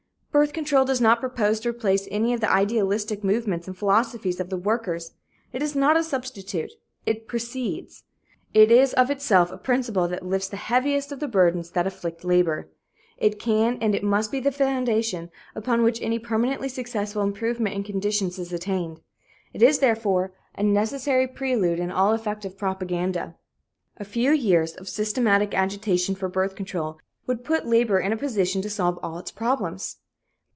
Birth control does not propose to replace any of the idealistic movements and philosophies of the workers. It is not a substitute, it precedes. It is of itself a principle that lifts the heaviest of the burdens that afflict labor. It can and it must be the foundation upon which any permanently successful improvement in conditions is attained. It is, therefore, a necessary prelude in all effective propaganda. A few years of systematic agitation for birth control would put labor in a position to solve all its problems.